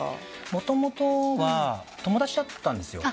もともとは友達だったんですよ。